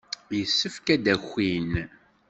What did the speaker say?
Yessefk ad d-akin.